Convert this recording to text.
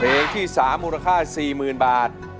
เสียงที่สามมูลค่าสี่หมื่นบาท